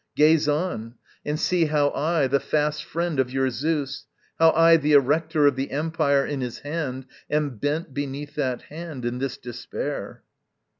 Gaze on, and see How I, the fast friend of your Zeus, how I The erector of the empire in his hand, Am bent beneath that hand, in this despair.